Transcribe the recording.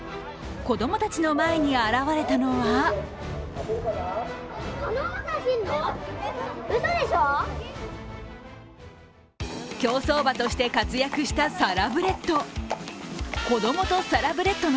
子供たちの前に現れたのは競走馬として活躍したサラブレッド。